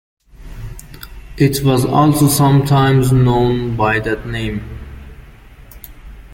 It was also sometimes known by that name.